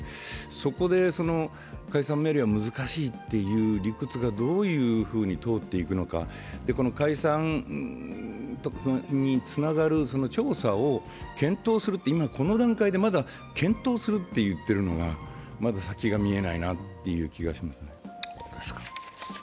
そこで解散命令が難しいという理屈がどういうふうに通っていくのか、この解散につながる調査を検討するって今この段階でまだ検討すると言っているのはまだ先が見えないなという気がしますね。